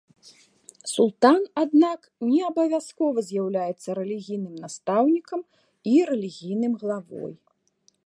Султан, аднак, не абавязкова з'яўляецца рэлігійным настаўнікам і рэлігійным главой.